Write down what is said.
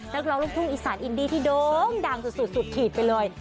นักร้องลูกทุ่งอีสานอินดี้ที่โด่งดังสุดขีดไปเลย